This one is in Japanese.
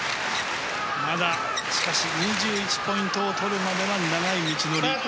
しかし、まだ２１ポイントを取るまでは長い道のり。